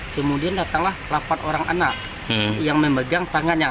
kemudian datanglah delapan orang anak yang memegang tangannya